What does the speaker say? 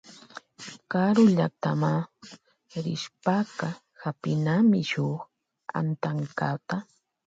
Karullaktama rishpaka hapinami shuk antankata.